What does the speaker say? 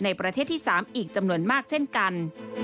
ประเทศที่๓อีกจำนวนมากเช่นกัน